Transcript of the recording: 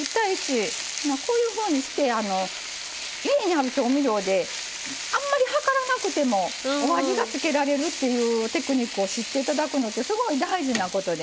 こういうふうにしてあまり量らなくてもお味が付けられるっていうテクニックを知っていただくのってすごい大事なことなので。